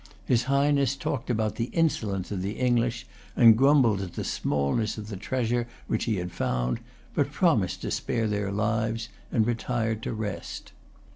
His Highness talked about the insolence of the English, and grumbled at the smallness of the treasure which he had found, but promised to spare their lives, and retired to rest.